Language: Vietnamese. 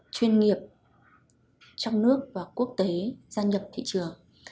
chuyên nghiệp trong nước và quốc tế gia nhập thị trường